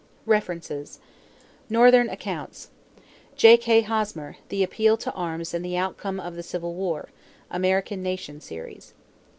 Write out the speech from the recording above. =References= NORTHERN ACCOUNTS J.K. Hosmer, The Appeal to Arms and The Outcome of the Civil War (American Nation Series).